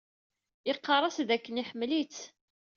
Iqarr-as-d dakken iḥemmel-itt.